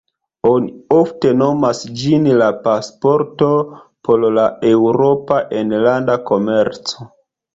Oni ofte nomas ĝin la "pasporto" por la Eŭropa enlanda komerco.